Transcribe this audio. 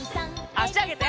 あしあげて。